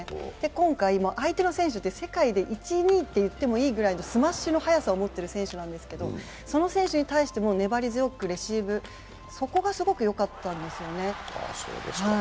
今回、相手の選手って世界で１・２位と言ってもいいくらいスマッシュの速さを持っている選手なんですけど、その選手に対しても粘り強くレシーブ、そこがすごくよかったんですよね。